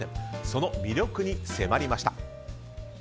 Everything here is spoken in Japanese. その魅力に迫りました。